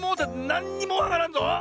なんにもわからんぞ！